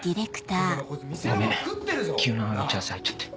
ごめん急な打ち合わせ入っちゃって。